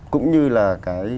cũng như là cái